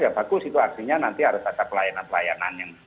ya bagus situasinya nanti harus ada pelayanan pelayanan yang